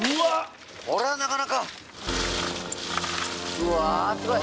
うわすごい！